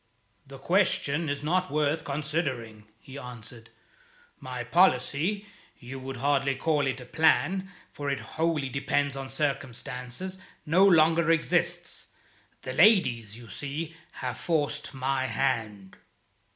"The question is not worth considering," he answered. "My policy you would hardly call it a plan, for it wholly depended on circumstances no longer exists. The ladies, you see, have forced my hand."